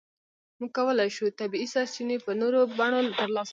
موږ کولای شو طبیعي سرچینې په نورو بڼو ترلاسه کړو.